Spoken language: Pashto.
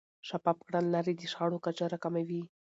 شفاف کړنلارې د شخړو کچه راکموي.